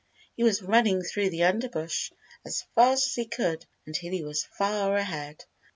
He was running through the underbrush as fast as he could until he was far ahead.